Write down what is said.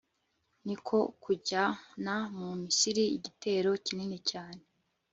ni ko kujyana mu misiri igitero kinini cyane